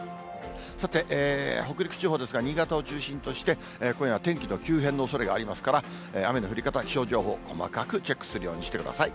さて、北陸地方ですが、新潟を中心として今夜は天気の急変のおそれがありますから、雨の降り方、気象情報、細かくチェックするようにしてください。